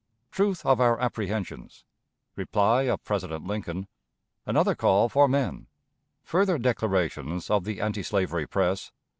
Truth of our Apprehensions. Reply of President Lincoln. Another Call for Men. Further Declarations of the Antislavery Press.